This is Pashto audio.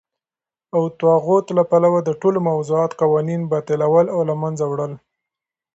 او دطاغوت له پلوه دټولو موضوعه قوانينو باطلول او له منځه وړل دي .